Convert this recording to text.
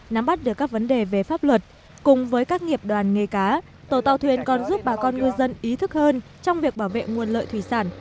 nắm bắt được các vấn đề về pháp luật cùng với các nghiệp đoàn nghề cá tổ tàu thuyền còn giúp bà con ngư dân ý thức hơn trong việc bảo vệ nguồn lợi thủy sản